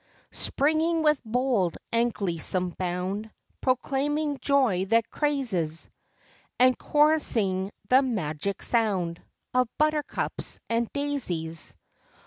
199 Springing with bold and gleesome bound, Proclaiming joy that crazes ; And chorusing the magic sound Of ŌĆ£ Buttercups and Daisies ŌĆØ